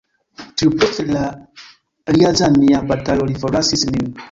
Tuj post la Rjazanja batalo li forlasis nin.